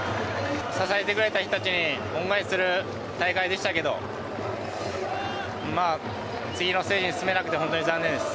支えてくれた人たちに恩返しする大会でしたけど、まあ、次のステージに進めなくて本当に残念です。